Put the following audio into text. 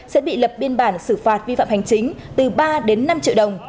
sẽ bị lập biên bản xử phạt vi phạm hành chính từ ba đến năm triệu đồng